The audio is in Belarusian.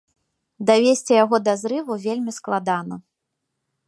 Давесці яго да зрыву вельмі складана.